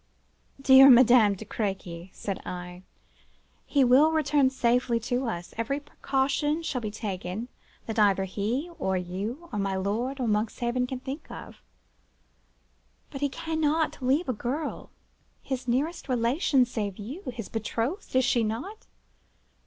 "'Dear Madame de Crequy,' said I, 'he will return safely to us; every precaution shall be taken, that either he or you, or my lord, or Monkshaven can think of; but he cannot leave a girl—his nearest relation save you—his betrothed, is she not?